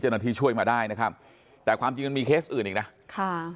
เจ้าหน้าที่ช่วยมาได้นะครับแต่ความจริงมีเคสอื่นอีกนะค่ะ